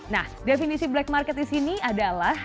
nah definisi black market di sini adalah